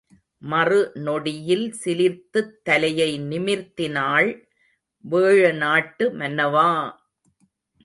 மறு நொடியில் சிலிர்த்துத் தலையை நிமிர்த்தினாள் வேழநாட்டு மன்னவா!